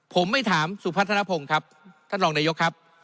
ผมไม่ถามสุพัฒนภงครับท่านรองนายกครับ